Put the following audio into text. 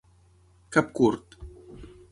Cap curt.